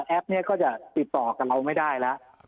แอปนี่ก็จะติดต่อกับเราไม่ได้แหละ